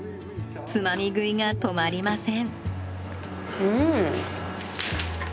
つまみ食いが止まりません。